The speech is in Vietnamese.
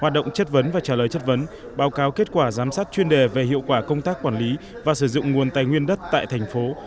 hoạt động chất vấn và trả lời chất vấn báo cáo kết quả giám sát chuyên đề về hiệu quả công tác quản lý và sử dụng nguồn tài nguyên đất tại thành phố